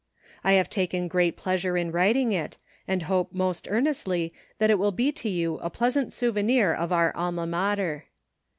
I have taken great pleasure in writing it, and hope most earnestly that it will be to you a pleasant souvenir of our Alma Mater.